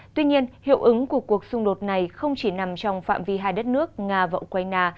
tuy nhiên hiệu ứng của cuộc xung đột này không chỉ nằm trong phạm vi hai đất nước nga và ukraine